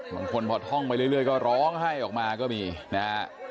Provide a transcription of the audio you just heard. บางคนหมอดห้องไปเรื่อยก็ร้องให้ออกมาก็มีนะครับ